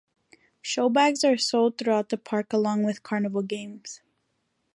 Show bags are sold throughout the park along with carnival games.